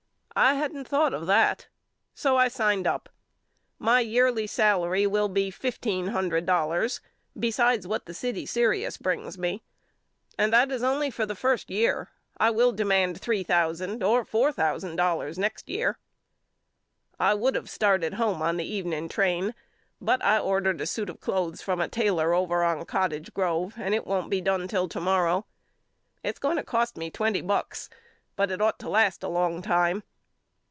I hadn't thought of that so I signed up. My yearly salary will be fifteen hundred dollars besides what the city serious brings me. And that is only for the first year. I will demand three thousand or four thousand dollars next year. I would of started home on the evening train but I ordered a suit of cloths from a tailor over on Cottage Grove and it won't be done till to morrow. It's going to cost me twenty bucks but it ought to last a long time.